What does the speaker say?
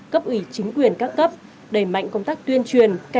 cấp ủy chính quyền các cấp đẩy mạnh công tác tuyên truyền